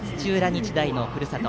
日大のふるさと